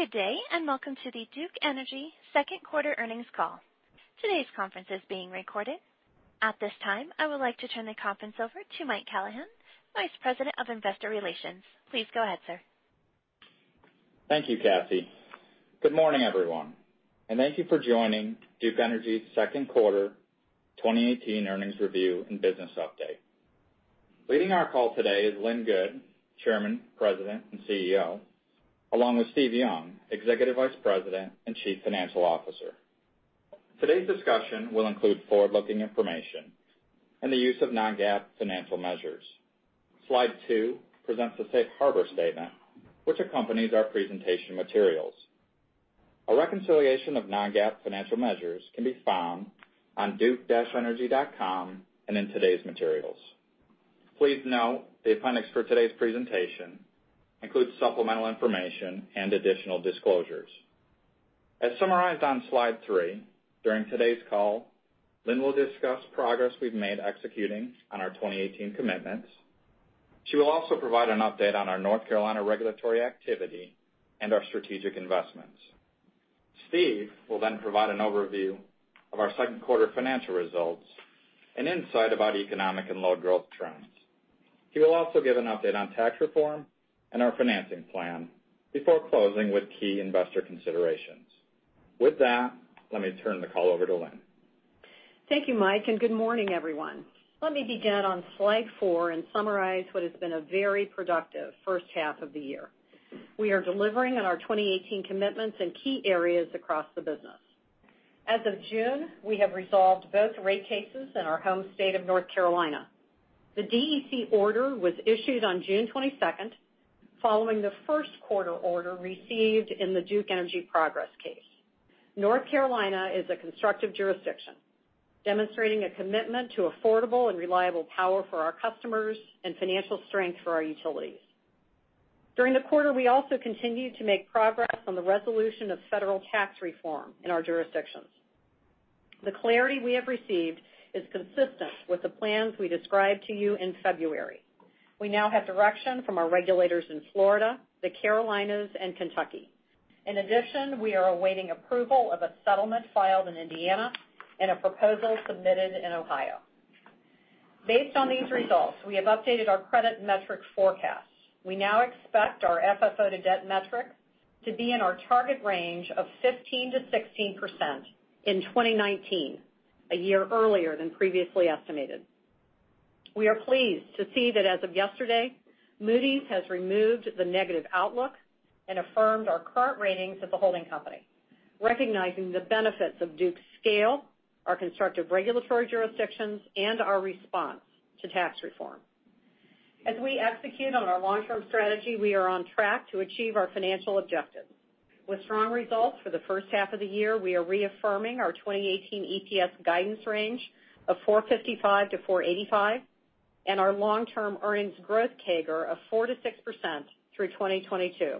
Good day, and welcome to the Duke Energy second quarter earnings call. Today's conference is being recorded. At this time, I would like to turn the conference over to Mike Callahan, Vice President of Investor Relations. Please go ahead, sir. Thank you, Kathy. Good morning, everyone, and thank you for joining Duke Energy's second quarter 2018 earnings review and business update. Leading our call today is Lynn Good, Chairman, President, and CEO, along with Steve Young, Executive Vice President and Chief Financial Officer. Today's discussion will include forward-looking information and the use of non-GAAP financial measures. Slide two presents the safe harbor statement which accompanies our presentation materials. A reconciliation of non-GAAP financial measures can be found on duke-energy.com and in today's materials. Please note the appendix for today's presentation includes supplemental information and additional disclosures. As summarized on slide three, during today's call, Lynn will discuss progress we've made executing on our 2018 commitments. She will also provide an update on our North Carolina regulatory activity and our strategic investments. Steve will then provide an overview of our second quarter financial results and insight about economic and load growth trends. He will also give an update on tax reform and our financing plan before closing with key investor considerations. With that, let me turn the call over to Lynn. Thank you, Mike, and good morning, everyone. Let me begin on slide four and summarize what has been a very productive first half of the year. We are delivering on our 2018 commitments in key areas across the business. As of June, we have resolved both rate cases in our home state of North Carolina. The DEP order was issued on June 22nd, following the first-quarter order received in the Duke Energy Progress case. North Carolina is a constructive jurisdiction, demonstrating a commitment to affordable and reliable power for our customers and financial strength for our utilities. During the quarter, we also continued to make progress on the resolution of federal tax reform in our jurisdictions. The clarity we have received is consistent with the plans we described to you in February. We now have direction from our regulators in Florida, the Carolinas, and Kentucky. In addition, we are awaiting approval of a settlement filed in Indiana and a proposal submitted in Ohio. Based on these results, we have updated our credit metric forecast. We now expect our FFO to debt metric to be in our target range of 15%-16% in 2019, a year earlier than previously estimated. We are pleased to see that as of yesterday, Moody's has removed the negative outlook and affirmed our current ratings of the holding company, recognizing the benefits of Duke's scale, our constructive regulatory jurisdictions, and our response to tax reform. As we execute on our long-term strategy, we are on track to achieve our financial objectives. With strong results for the first half of the year, we are reaffirming our 2018 EPS guidance range of $4.55-$4.85 and our long-term earnings growth CAGR of 4%-6% through 2022.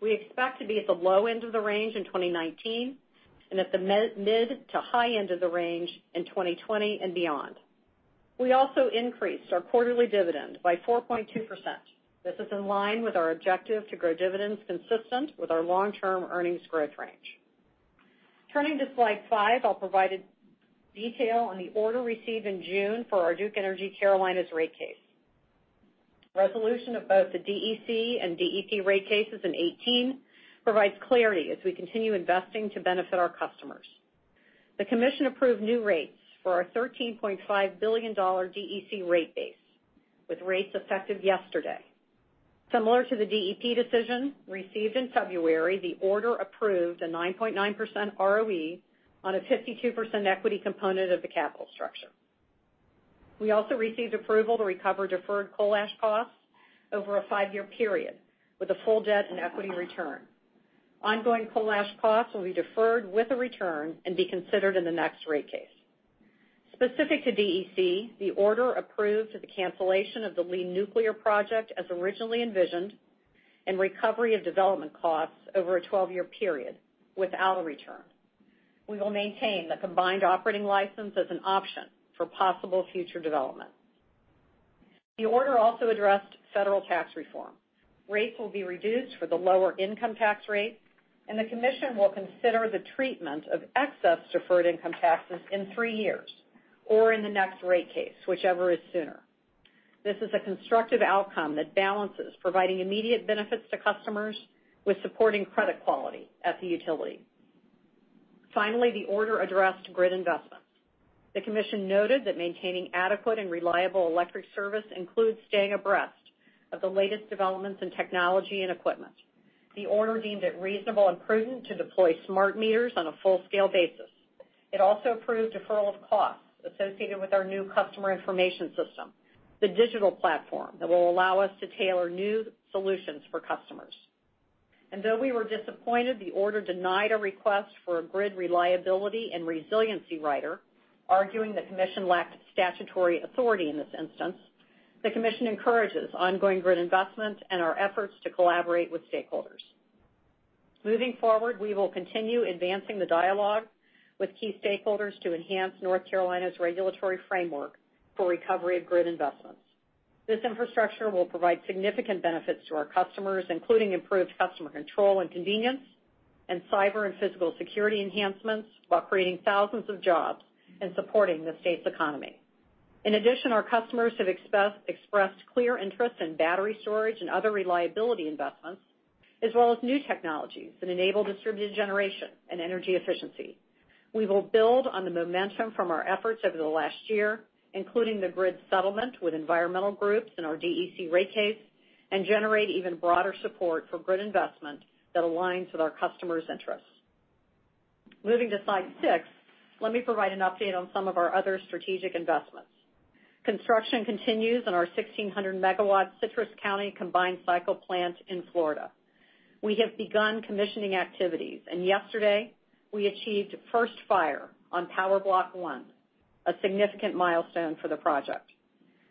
We expect to be at the low end of the range in 2019 and at the mid to high end of the range in 2020 and beyond. We also increased our quarterly dividend by 4.2%. This is in line with our objective to grow dividends consistent with our long-term earnings growth range. Turning to slide five, I'll provide detail on the order received in June for our Duke Energy Carolinas rate case. Resolution of both the DEC and DEP rate cases in 2018 provides clarity as we continue investing to benefit our customers. The commission approved new rates for our $13.5 billion DEC rate base, with rates effective yesterday. Similar to the DEP decision received in February, the order approved a 9.9% ROE on a 52% equity component of the capital structure. We also received approval to recover deferred coal ash costs over a five-year period with a full debt and equity return. Ongoing coal ash costs will be deferred with a return and be considered in the next rate case. Specific to DEC, the order approved the cancellation of the Lee Nuclear Station as originally envisioned and recovery of development costs over a 12-year period without a return. We will maintain the combined operating license as an option for possible future development. The order also addressed federal tax reform. Rates will be reduced for the lower income tax rate, and the commission will consider the treatment of excess deferred income taxes in three years or in the next rate case, whichever is sooner. This is a constructive outcome that balances providing immediate benefits to customers with supporting credit quality at the utility. Finally, the order addressed grid investments. The commission noted that maintaining adequate and reliable electric service includes staying abreast of the latest developments in technology and equipment. The order deemed it reasonable and prudent to deploy smart meters on a full-scale basis. It also approved deferral of costs associated with our new customer information system, the digital platform that will allow us to tailor new solutions for customers. Though we were disappointed the order denied a request for a grid reliability and resiliency rider, arguing the commission lacked statutory authority in this instance, the commission encourages ongoing grid investments and our efforts to collaborate with stakeholders. Moving forward, we will continue advancing the dialogue with key stakeholders to enhance North Carolina's regulatory framework for recovery of grid investments. This infrastructure will provide significant benefits to our customers, including improved customer control and convenience, and cyber and physical security enhancements, while creating thousands of jobs and supporting the state's economy. In addition, our customers have expressed clear interest in battery storage and other reliability investments, as well as new technologies that enable distributed generation and energy efficiency. We will build on the momentum from our efforts over the last year, including the grid settlement with environmental groups and our DEC rate case, and generate even broader support for grid investment that aligns with our customers' interests. Moving to slide six, let me provide an update on some of our other strategic investments. Construction continues on our 1,600-megawatt Citrus County combined cycle plant in Florida. We have begun commissioning activities, and yesterday, we achieved first fire on power block one, a significant milestone for the project.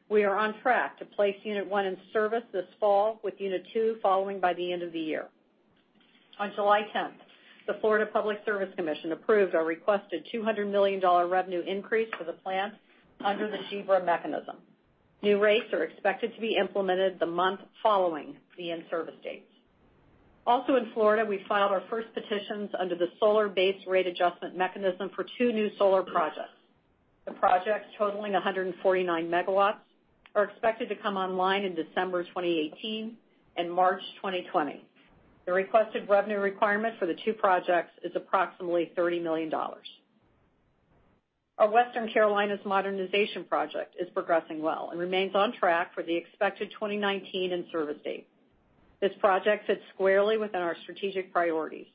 We are on track to place unit one in service this fall, with unit two following by the end of the year. On July 10th, the Florida Public Service Commission approved our requested $200 million revenue increase for the plant under the GBRA mechanism. New rates are expected to be implemented the month following the in-service dates. Also in Florida, we filed our first petitions under the solar-based rate adjustment mechanism for two new solar projects. The projects, totaling 149 megawatts, are expected to come online in December 2018 and March 2020. The requested revenue requirement for the two projects is approximately $30 million. Our Western Carolinas modernization project is progressing well and remains on track for the expected 2019 in-service date. This project fits squarely within our strategic priorities.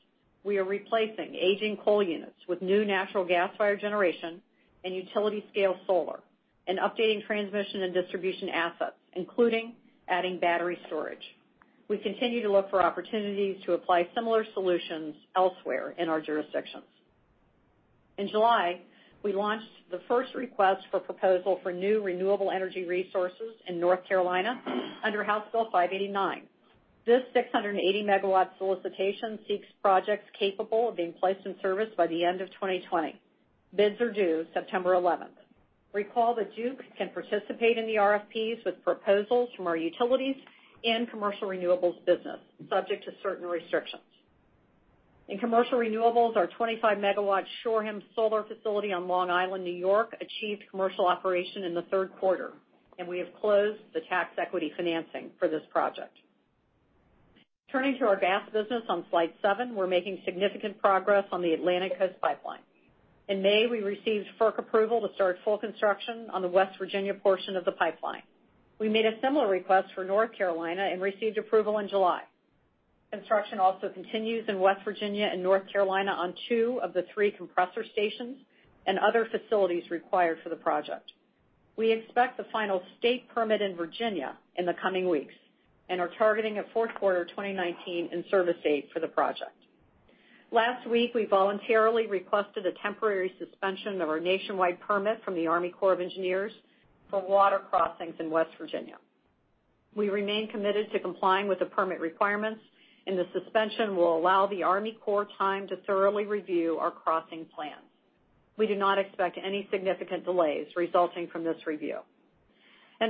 We are replacing aging coal units with new natural gas fire generation and utility-scale solar and updating transmission and distribution assets, including adding battery storage. We continue to look for opportunities to apply similar solutions elsewhere in our jurisdictions. In July, we launched the first request for proposal for new renewable energy resources in North Carolina under House Bill 589. This 680-megawatt solicitation seeks projects capable of being placed in service by the end of 2020. Bids are due September 11th. Recall that Duke can participate in the RFPs with proposals from our utilities and commercial renewables business, subject to certain restrictions. In commercial renewables, our 25-megawatt Shoreham solar facility on Long Island, New York, achieved commercial operation in the third quarter, and we have closed the tax equity financing for this project. Turning to our gas business on slide seven, we're making significant progress on the Atlantic Coast Pipeline. In May, we received FERC approval to start full construction on the West Virginia portion of the pipeline. We made a similar request for North Carolina and received approval in July. Construction also continues in West Virginia and North Carolina on two of the three compressor stations and other facilities required for the project. We expect the final state permit in Virginia in the coming weeks and are targeting a fourth-quarter 2019 in-service date for the project. Last week, we voluntarily requested a temporary suspension of our nationwide permit from the U.S. Army Corps of Engineers for water crossings in West Virginia. We remain committed to complying with the permit requirements, and the suspension will allow the U.S. Army Corps time to thoroughly review our crossing plans. We do not expect any significant delays resulting from this review.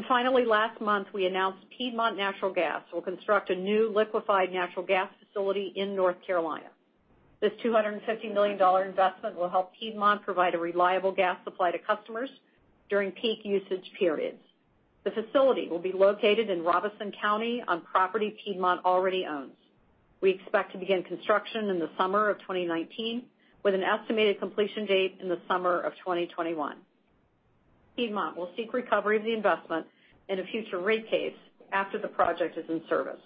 Finally, last month, we announced Piedmont Natural Gas will construct a new liquified natural gas facility in North Carolina. This $250 million investment will help Piedmont provide a reliable gas supply to customers during peak usage periods. The facility will be located in Robeson County on property Piedmont already owns. We expect to begin construction in the summer of 2019, with an estimated completion date in the summer of 2021. Piedmont will seek recovery of the investment in a future rate case after the project is in service.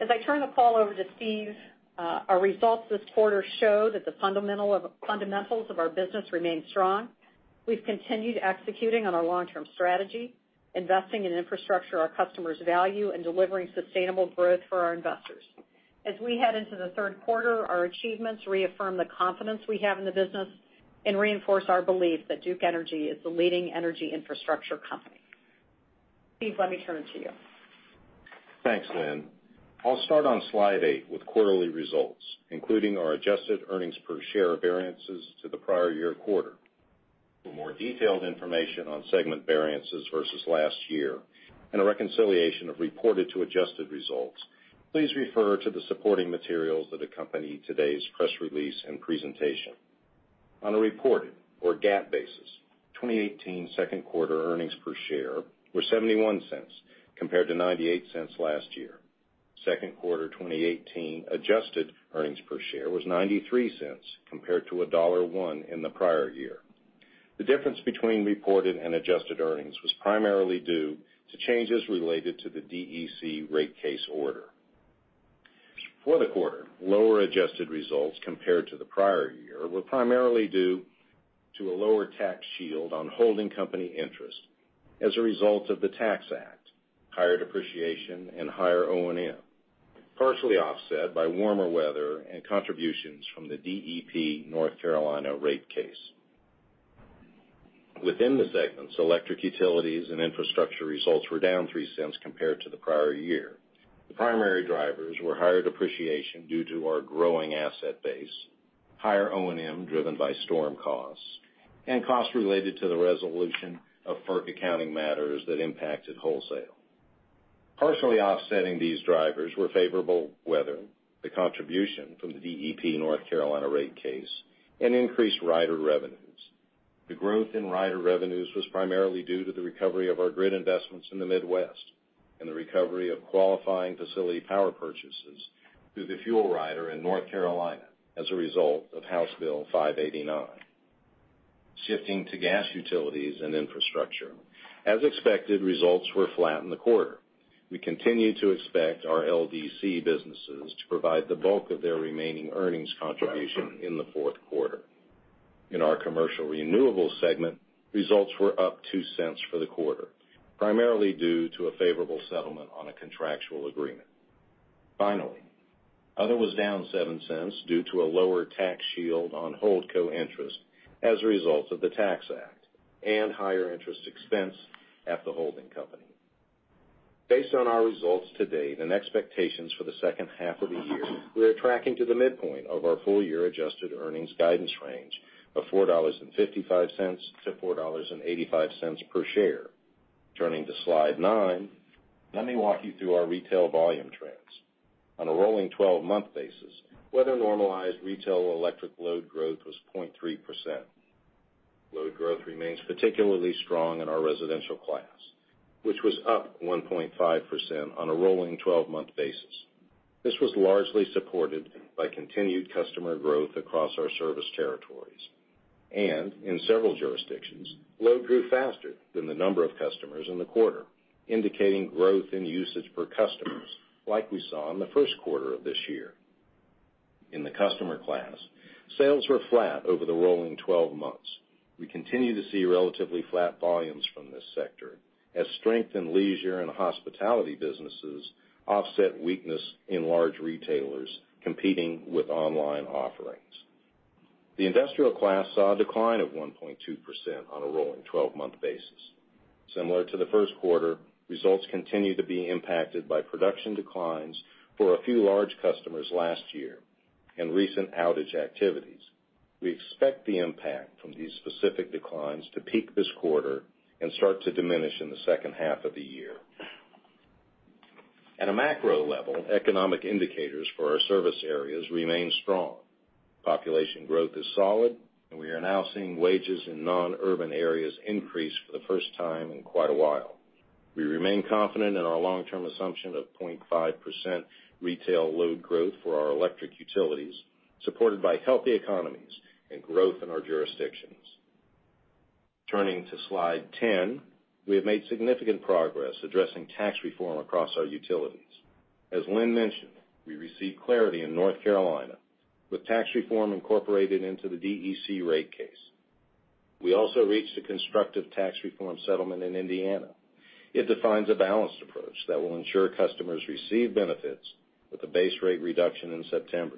As I turn the call over to Steve, our results this quarter show that the fundamentals of our business remain strong. We've continued executing on our long-term strategy, investing in infrastructure our customers value, and delivering sustainable growth for our investors. As we head into the third quarter, our achievements reaffirm the confidence we have in the business and reinforce our belief that Duke Energy is the leading energy infrastructure company. Steve, let me turn it to you. Thanks, Lynn. I'll start on slide eight with quarterly results, including our adjusted earnings per share variances to the prior year quarter. For more detailed information on segment variances versus last year and a reconciliation of reported to adjusted results, please refer to the supporting materials that accompany today's press release and presentation. On a reported or GAAP basis, 2018 second quarter earnings per share were $0.71 compared to $0.98 last year. Second quarter 2018 adjusted earnings per share was $0.93 compared to $1.01 in the prior year. The difference between reported and adjusted earnings was primarily due to changes related to the DEP rate case order. For the quarter, lower adjusted results compared to the prior year were primarily due to a lower tax shield on holding company interest as a result of the Tax Act, higher depreciation, and higher O&M, partially offset by warmer weather and contributions from the DEP North Carolina rate case. Within the segments, electric utilities and infrastructure results were down $0.03 compared to the prior year. The primary drivers were higher depreciation due to our growing asset base. Higher O&M driven by storm costs and costs related to the resolution of FERC accounting matters that impacted wholesale. Partially offsetting these drivers were favorable weather, the contribution from the DEP North Carolina rate case, and increased rider revenues. The growth in rider revenues was primarily due to the recovery of our grid investments in the Midwest and the recovery of qualifying facility power purchases through the fuel rider in North Carolina as a result of House Bill 589. Shifting to gas utilities and infrastructure. As expected, results were flat in the quarter. We continue to expect our LDC businesses to provide the bulk of their remaining earnings contribution in the fourth quarter. In our commercial renewables segment, results were up $0.02 for the quarter, primarily due to a favorable settlement on a contractual agreement. Finally, other was down $0.07 due to a lower tax shield on holdco interest as a result of the Tax Act and higher interest expense at the holding company. Based on our results to date and expectations for the second half of the year, we are tracking to the midpoint of our full-year adjusted earnings guidance range of $4.55 to $4.85 per share. Turning to slide nine, let me walk you through our retail volume trends. On a rolling 12-month basis, weather-normalized retail electric load growth was 0.3%. Load growth remains particularly strong in our residential class, which was up 1.5% on a rolling 12-month basis. This was largely supported by continued customer growth across our service territories. In several jurisdictions, load grew faster than the number of customers in the quarter, indicating growth in usage per customers like we saw in the first quarter of this year. In the customer class, sales were flat over the rolling 12 months. We continue to see relatively flat volumes from this sector as strength in leisure and hospitality businesses offset weakness in large retailers competing with online offerings. The industrial class saw a decline of 1.2% on a rolling 12-month basis. Similar to the first quarter, results continue to be impacted by production declines for a few large customers last year and recent outage activities. We expect the impact from these specific declines to peak this quarter and start to diminish in the second half of the year. At a macro level, economic indicators for our service areas remain strong. Population growth is solid, and we are now seeing wages in non-urban areas increase for the first time in quite a while. We remain confident in our long-term assumption of 0.5% retail load growth for our electric utilities, supported by healthy economies and growth in our jurisdictions. Turning to slide 10. We have made significant progress addressing tax reform across our utilities. As Lynn mentioned, we received clarity in North Carolina with tax reform incorporated into the DEC rate case. We also reached a constructive tax reform settlement in Indiana. It defines a balanced approach that will ensure customers receive benefits with a base rate reduction in September.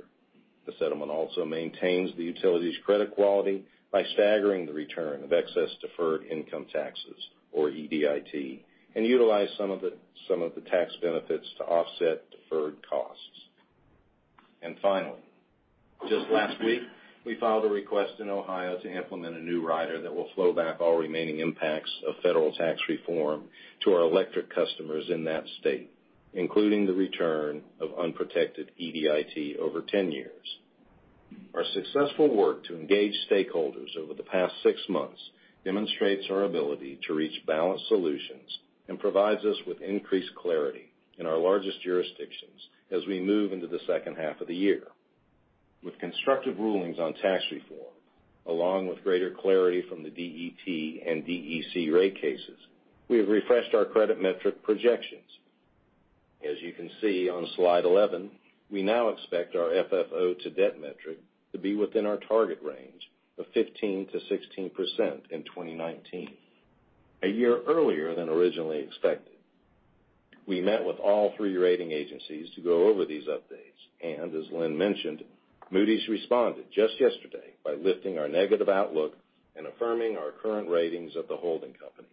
The settlement also maintains the utility's credit quality by staggering the return of excess deferred income taxes, or EDIT, and utilize some of the tax benefits to offset deferred costs. Finally, just last week, we filed a request in Ohio to implement a new rider that will flow back all remaining impacts of federal tax reform to our electric customers in that state, including the return of unprotected EDIT over 10 years. Our successful work to engage stakeholders over the past six months demonstrates our ability to reach balanced solutions and provides us with increased clarity in our largest jurisdictions as we move into the second half of the year. With constructive rulings on tax reform, along with greater clarity from the DEP and DEC rate cases, we have refreshed our credit metric projections. As you can see on slide 11, we now expect our FFO to debt metric to be within our target range of 15%-16% in 2019, a year earlier than originally expected. We met with all three rating agencies to go over these updates. As Lynn mentioned, Moody's responded just yesterday by lifting our negative outlook and affirming our current ratings of the holding company.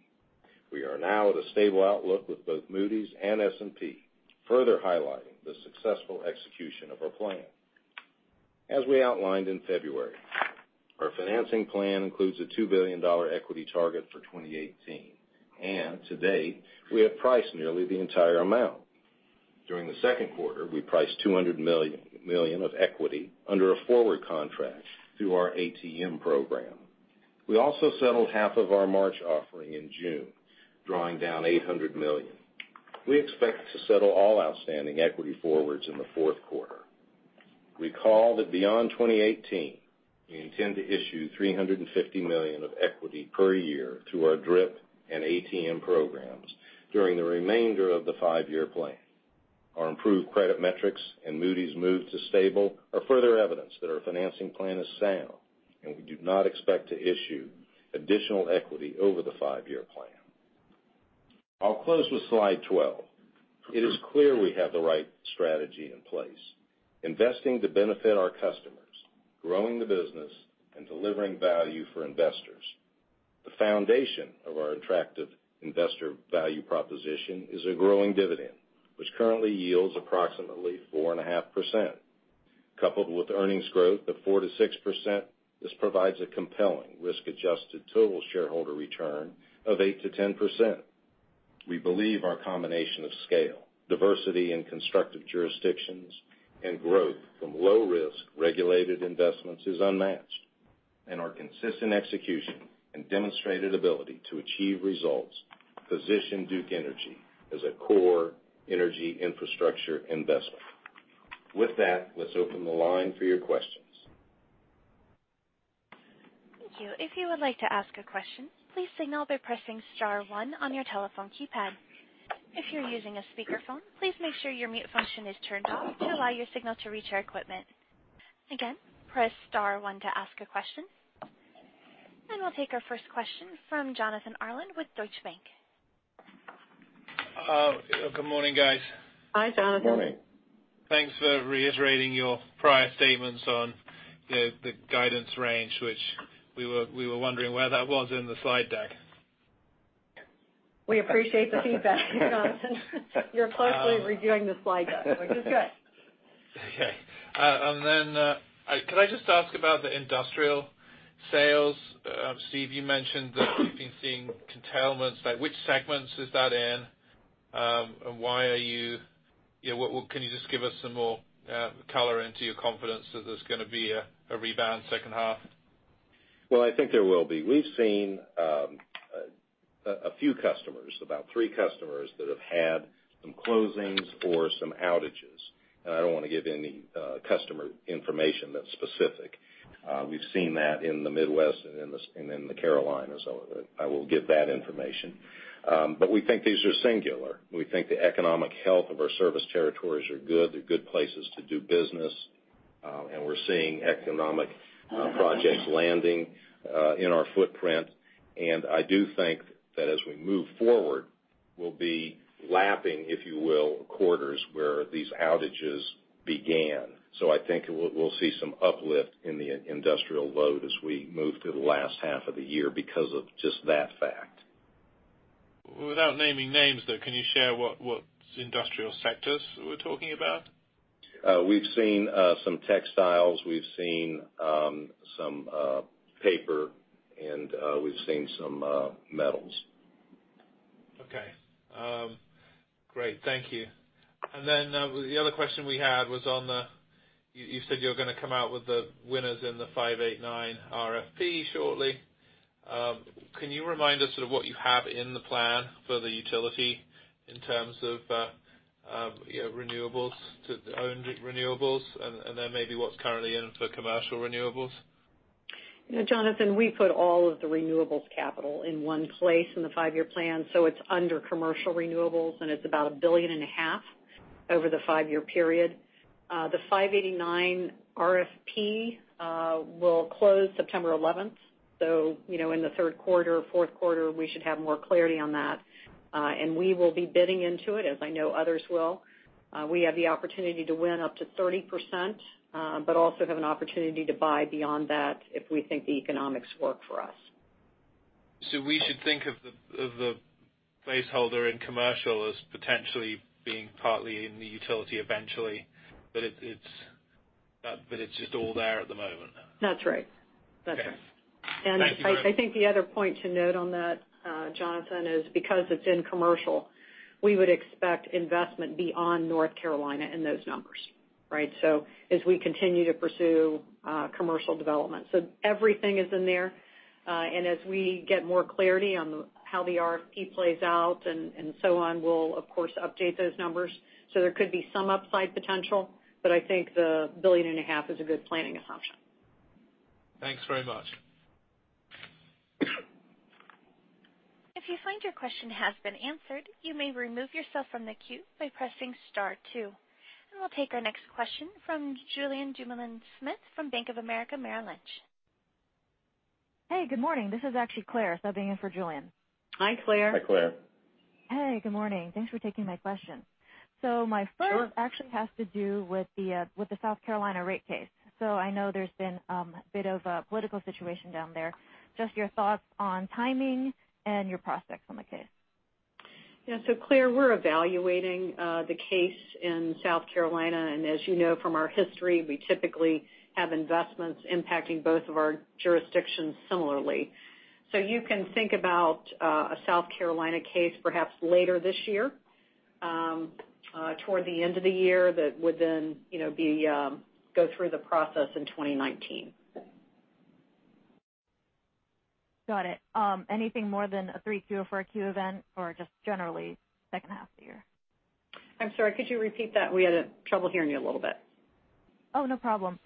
We are now at a stable outlook with both Moody's and S&P, further highlighting the successful execution of our plan. As we outlined in February, our financing plan includes a $2 billion equity target for 2018. To date, we have priced nearly the entire amount. During the second quarter, we priced $200 million of equity under a forward contract through our ATM program. We also settled half of our March offering in June, drawing down $800 million. We expect to settle all outstanding equity forwards in the fourth quarter. Recall that beyond 2018, we intend to issue $350 million of equity per year through our DRIP and ATM programs during the remainder of the five-year plan. Our improved credit metrics and Moody's move to stable are further evidence that our financing plan is sound. We do not expect to issue additional equity over the five-year plan. I'll close with slide 12. It is clear we have the right strategy in place, investing to benefit our customers, growing the business, and delivering value for investors. The foundation of our attractive investor value proposition is a growing dividend, which currently yields approximately 4.5%. Coupled with earnings growth of 4%-6%, this provides a compelling risk-adjusted total shareholder return of 8%-10%. We believe our combination of scale, diversity in constructive jurisdictions, and growth from low-risk regulated investments is unmatched. Our consistent execution and demonstrated ability to achieve results position Duke Energy as a core energy infrastructure investment. With that, let's open the line for your questions. Thank you. If you would like to ask a question, please signal by pressing star one on your telephone keypad. If you're using a speakerphone, please make sure your mute function is turned off to allow your signal to reach our equipment. Again, press star one to ask a question. We'll take our first question from Jonathan Arnold with Deutsche Bank. Good morning, guys. Hi, Jonathan. Morning. Thanks for reiterating your prior statements on the guidance range, which we were wondering where that was in the slide deck. We appreciate the feedback, Jonathan. You're closely reviewing the slide deck, which is good. Okay. Can I just ask about the industrial sales? Steve, you mentioned that you've been seeing curtailments, like which segments is that in? Can you just give us some more color into your confidence that there's going to be a rebound second half? Well, I think there will be. We've seen a few customers, about three customers, that have had some closings or some outages. I don't want to give any customer information that's specific. We've seen that in the Midwest and in the Carolinas. I will give that information. We think these are singular. We think the economic health of our service territories are good. They're good places to do business. We're seeing economic projects landing in our footprint. I do think that as we move forward, we'll be lapping, if you will, quarters where these outages began. I think we'll see some uplift in the industrial load as we move to the last half of the year because of just that fact. Without naming names, though, can you share what industrial sectors we're talking about? We've seen some textiles, we've seen some paper, and we've seen some metals. Okay. Great. Thank you. The other question we had was on you said you were going to come out with the winners in the 589 RFP shortly. Can you remind us of what you have in the plan for the utility in terms of owned renewables and then maybe what's currently in for commercial renewables? Jonathan, we put all of the renewables capital in one place in the five-year plan. It's under commercial renewables, and it's about $1.5 billion over the five-year period. The 589 RFP will close September 11th. In the third quarter, fourth quarter, we should have more clarity on that. We will be bidding into it, as I know others will. We have the opportunity to win up to 30%, but also have an opportunity to buy beyond that if we think the economics work for us. We should think of the placeholder in commercial as potentially being partly in the utility eventually. It's just all there at the moment then. That's right. Okay. Thank you very much. I think the other point to note on that, Jonathan, is because it's in commercial, we would expect investment beyond North Carolina in those numbers, right? As we continue to pursue commercial development. Everything is in there. As we get more clarity on how the RFP plays out and so on, we'll of course update those numbers. There could be some upside potential, but I think the billion and a half is a good planning assumption. Thanks very much. If you find your question has been answered, you may remove yourself from the queue by pressing star two. We'll take our next question from Julien Dumoulin-Smith from Bank of America Merrill Lynch. Hey, good morning. This is actually Claire subbing in for Julien. Hi, Claire. Hi, Claire. Good morning. Thanks for taking my question. My first action has to do with the South Carolina rate case. I know there's been a bit of a political situation down there. Just your thoughts on timing and your prospects on the case. Yeah. Claire, we're evaluating the case in South Carolina, and as you know from our history, we typically have investments impacting both of our jurisdictions similarly. You can think about a South Carolina case perhaps later this year toward the end of the year that would then go through the process in 2019. Got it. Anything more than a 3Q or 4Q event or just generally second half of the year? I'm sorry, could you repeat that? We had trouble hearing you a little bit. Oh, no problem.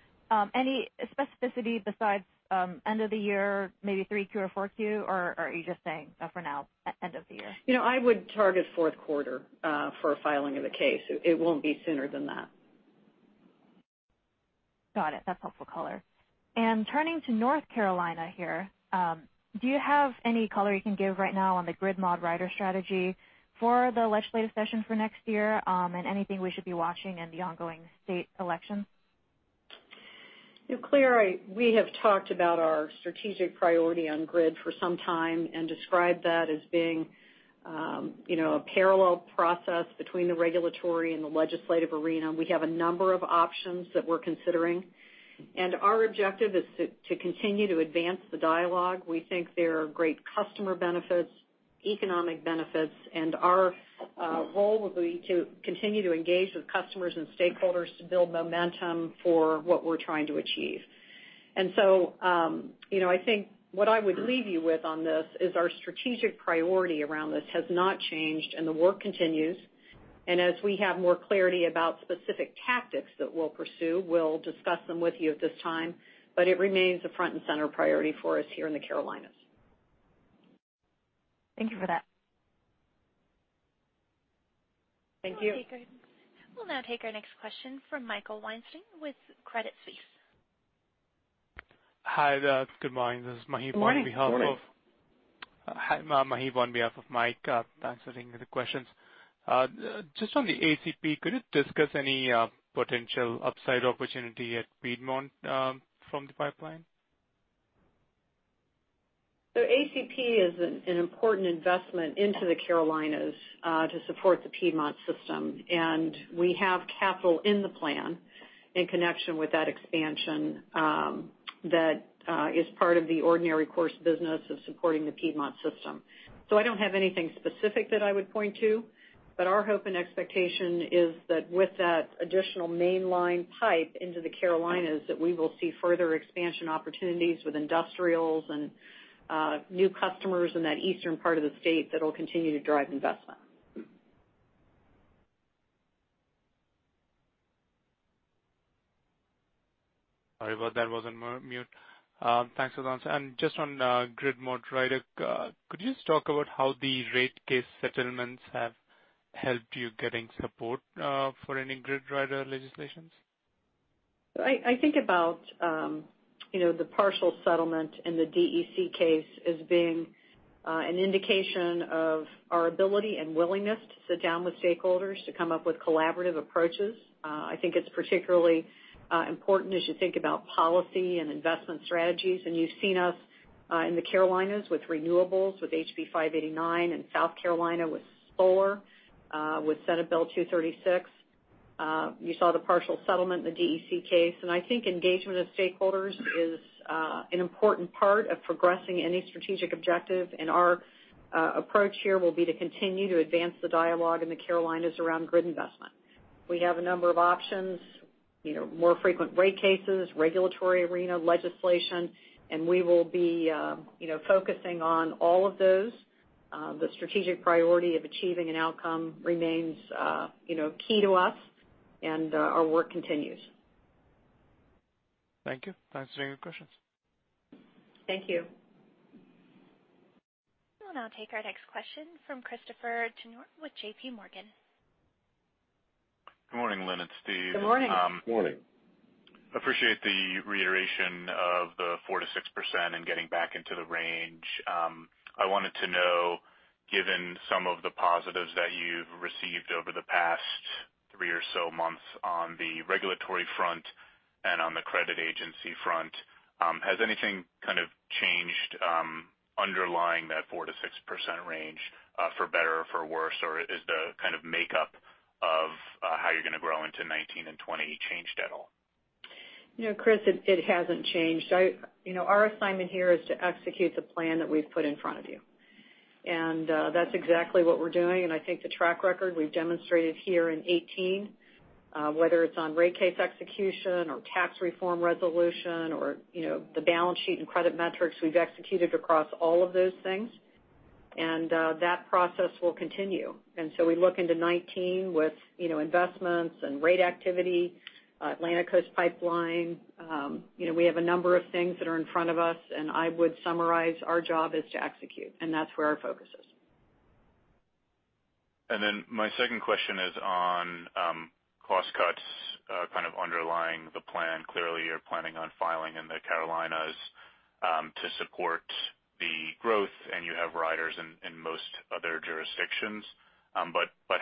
Any specificity besides end of the year, maybe 3Q or 4Q, or are you just saying for now end of the year? I would target fourth quarter for a filing of the case. It won't be sooner than that. Got it. That's helpful color. Turning to North Carolina here, do you have any color you can give right now on the grid mod rider strategy for the legislative session for next year? Anything we should be watching in the ongoing state elections? Claire, we have talked about our strategic priority on grid for some time and described that as being a parallel process between the regulatory and the legislative arena. We have a number of options that we're considering. Our objective is to continue to advance the dialogue. We think there are great customer benefits, economic benefits. Our role will be to continue to engage with customers and stakeholders to build momentum for what we're trying to achieve. I think what I would leave you with on this is our strategic priority around this has not changed. The work continues. As we have more clarity about specific tactics that we'll pursue, we'll discuss them with you at this time, but it remains a front-and-center priority for us here in the Carolinas. Thank you for that. Thank you. We'll now take our next question from Michael Weinstein with Credit Suisse. Hi there. Good morning. This is [Maheep]. Morning On behalf of Mike, answering the questions. On the ACP, could you discuss any potential upside opportunity at Piedmont from the pipeline? ACP is an important investment into the Carolinas to support the Piedmont system. We have capital in the plan in connection with that expansion that is part of the ordinary course of business of supporting the Piedmont system. I don't have anything specific that I would point to, but our hope and expectation is that with that additional mainline pipe into the Carolinas, that we will see further expansion opportunities with industrials and new customers in that eastern part of the state that'll continue to drive investment. Sorry about that. Was on mute. Thanks for the answer. On Grid Mod Rider, could you talk about how the rate case settlements have helped you getting support for any Grid Rider legislations? I think about the partial settlement in the DEC case as being an indication of our ability and willingness to sit down with stakeholders to come up with collaborative approaches. I think it's particularly important as you think about policy and investment strategies. You've seen us in the Carolinas with renewables, with HB 589 and South Carolina with SOAR, with Senate Bill 236. You saw the partial settlement in the DEC case. I think engagement of stakeholders is an important part of progressing any strategic objective. Our approach here will be to continue to advance the dialogue in the Carolinas around grid investment. We have a number of options, more frequent rate cases, regulatory arena legislation. We will be focusing on all of those. The strategic priority of achieving an outcome remains key to us. Our work continues. Thank you. Thanks for taking the questions. Thank you. We'll now take our next question from Christopher Turnure with JPMorgan. Good morning, Lynn and Steve. Good morning. Morning. Appreciate the reiteration of the 4%-6% and getting back into the range. I wanted to know, given some of the positives that you've received over the past three or so months on the regulatory front and on the credit agency front, has anything kind of changed underlying that 4%-6% range, for better or for worse? Has the kind of makeup of how you're going to grow into 2019 and 2020 changed at all? No, Chris, it hasn't changed. Our assignment here is to execute the plan that we've put in front of you. That's exactly what we're doing, and I think the track record we've demonstrated here in 2018, whether it's on rate case execution or tax reform resolution or the balance sheet and credit metrics, we've executed across all of those things, and that process will continue. So we look into 2019 with investments and rate activity, Atlantic Coast Pipeline. We have a number of things that are in front of us, and I would summarize our job is to execute, and that's where our focus is. My second question is on cost cuts kind of underlying the plan. Clearly, you're planning on filing in the Carolinas to support the growth, and you have riders in most other jurisdictions.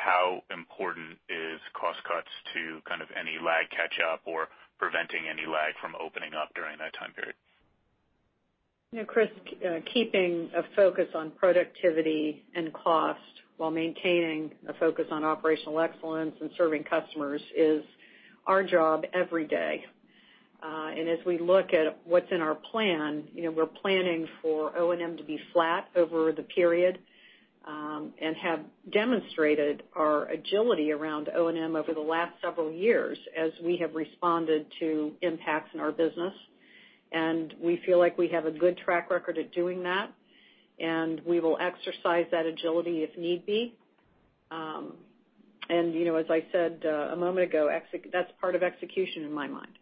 How important is cost cuts to kind of any lag catch-up or preventing any lag from opening up during that time period? Chris, keeping a focus on productivity and cost while maintaining a focus on operational excellence and serving customers is our job every day. As we look at what's in our plan, we're planning for O&M to be flat over the period, and have demonstrated our agility around O&M over the last several years as we have responded to impacts in our business. We feel like we have a good track record of doing that, and we will exercise that agility if need be. As I said a moment ago, that's part of execution in my mind.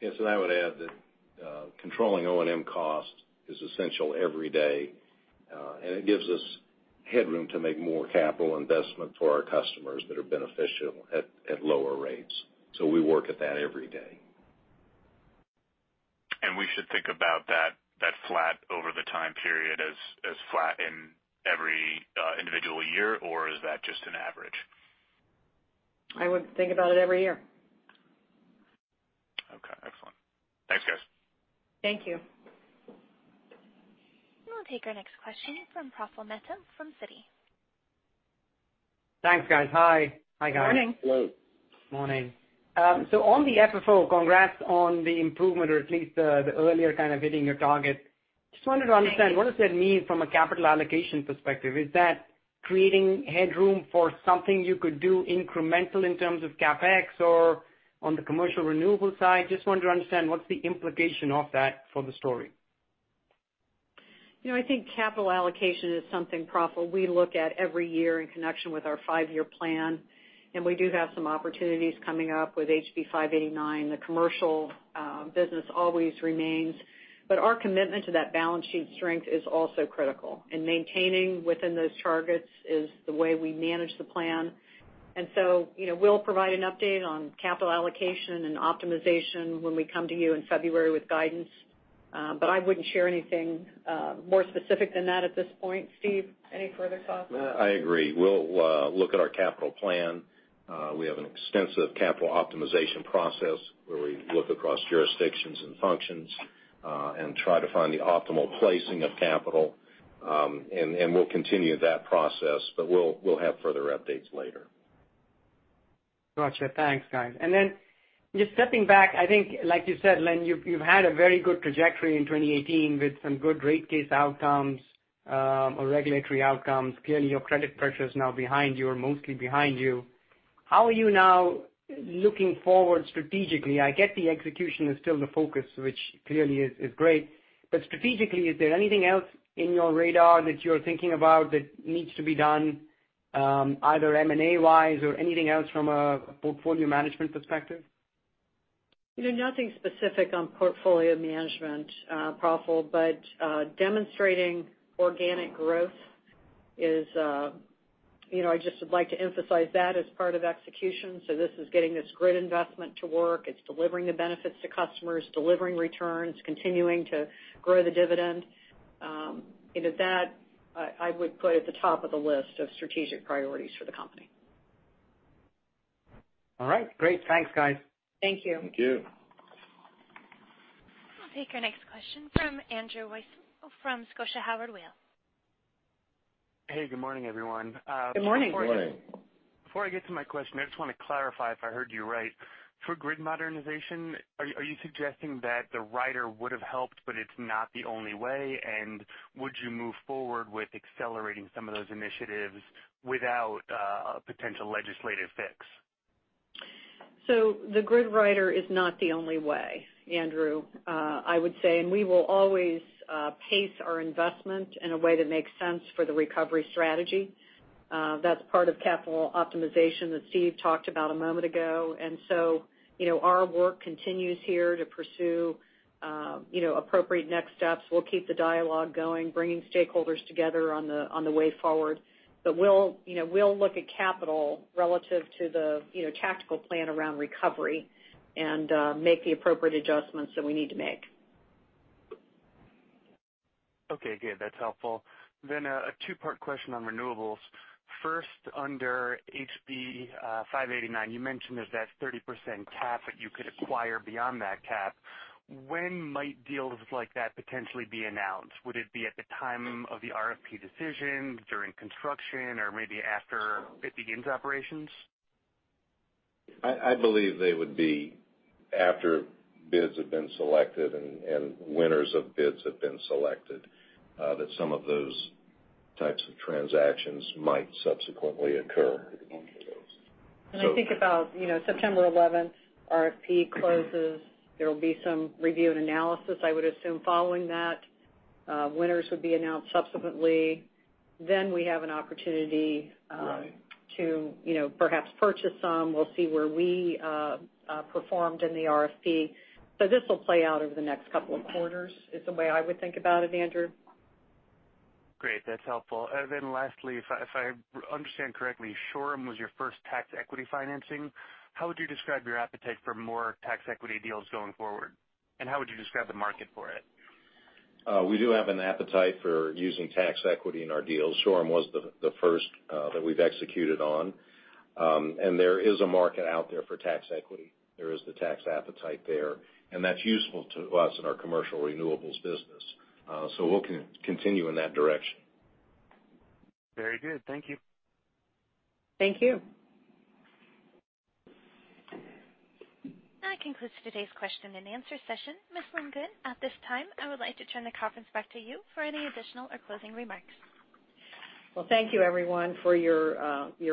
Yes, I would add that controlling O&M cost is essential every day. It gives us headroom to make more capital investment for our customers that are beneficial at lower rates. We work at that every day. We should think about that flat over the time period as flat in every individual year, or is that just an average? I would think about it every year. Okay. Excellent. Thanks, guys. Thank you. We'll take our next question from Praful Mehta from Citi. Thanks, guys. Hi guys. Morning. Morning. Congrats on the improvement or at least the earlier kind of hitting your target. Just wanted to understand, what does that mean from a capital allocation perspective? Is that creating headroom for something you could do incremental in terms of CapEx or on the commercial renewable side? Just wanted to understand what's the implication of that for the story. I think capital allocation is something, Praful, we look at every year in connection with our five-year plan, we do have some opportunities coming up with HB 589. The commercial business always remains. Our commitment to that balance sheet strength is also critical, and maintaining within those targets is the way we manage the plan. We'll provide an update on capital allocation and optimization when we come to you in February with guidance. I wouldn't share anything more specific than that at this point. Steve, any further thoughts? I agree. We'll look at our capital plan. We have an extensive capital optimization process where we look across jurisdictions and functions, and try to find the optimal placing of capital. We'll continue that process, but we'll have further updates later. Gotcha. Thanks, guys. Just stepping back, I think like you said, Lynn, you've had a very good trajectory in 2018 with some good rate case outcomes, or regulatory outcomes. Clearly, your credit pressure is now behind you or mostly behind you. How are you now looking forward strategically? I get the execution is still the focus, which clearly is great. Strategically, is there anything else in your radar that you're thinking about that needs to be done, either M&A-wise or anything else from a portfolio management perspective? Nothing specific on portfolio management, Praful, but demonstrating organic growth is, I just would like to emphasize that as part of execution. This is getting this grid investment to work. It's delivering the benefits to customers, delivering returns, continuing to grow the dividend. That I would put at the top of the list of strategic priorities for the company. All right. Great. Thanks, guys. Thank you. Thank you. We'll take our next question from Andrew Weissmann from Scotiabank. Hey, good morning, everyone. Good morning. Good morning. Before I get to my question, I just want to clarify if I heard you right. For grid modernization, are you suggesting that the rider would have helped, but it's not the only way? Would you move forward with accelerating some of those initiatives without a potential legislative fix? The grid rider is not the only way, Andrew, I would say, and we will always pace our investment in a way that makes sense for the recovery strategy. That's part of capital optimization that Steve talked about a moment ago. Our work continues here to pursue appropriate next steps. We'll keep the dialogue going, bringing stakeholders together on the way forward. We'll look at capital relative to the tactical plan around recovery and make the appropriate adjustments that we need to make. Okay, good. That's helpful. A two-part question on renewables. First, under HB 589, you mentioned there's that 30% cap that you could acquire beyond that cap. When might deals like that potentially be announced? Would it be at the time of the RFP decision, during construction, or maybe after it begins operations? I believe they would be after bids have been selected and winners of bids have been selected, that some of those types of transactions might subsequently occur. I think about September 11th, RFP closes. There will be some review and analysis, I would assume, following that. Winners would be announced subsequently. We have an opportunity- Right to perhaps purchase some. We'll see where we performed in the RFP. This will play out over the next couple of quarters, is the way I would think about it, Andrew. Great. That's helpful. Lastly, if I understand correctly, Shoreham was your first tax equity financing. How would you describe your appetite for more tax equity deals going forward, and how would you describe the market for it? We do have an appetite for using tax equity in our deals. Shoreham was the first that we've executed on. There is a market out there for tax equity. There is the tax appetite there, and that's useful to us in our commercial renewables business. We'll continue in that direction. Very good. Thank you. Thank you. That concludes today's question and answer session. Ms. Lynn Good, at this time, I would like to turn the conference back to you for any additional or closing remarks. Well, thank you everyone for your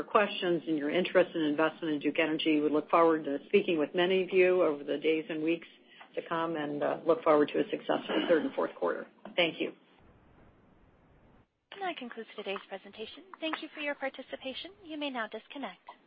questions and your interest and investment in Duke Energy. We look forward to speaking with many of you over the days and weeks to come and look forward to a successful third and fourth quarter. Thank you. That concludes today's presentation. Thank you for your participation. You may now disconnect.